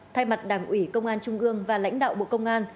thay mặt đảng ủy công an trung ương và lãnh đạo bộ công an